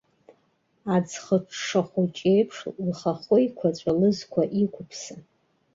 Аӡхыҽҽа хәыҷеиԥш, лхахәеиқәаҵәа лызқәа иқәыԥсан.